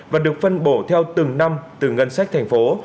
và được phân bổ theo từng năm từ ngân sách thành phố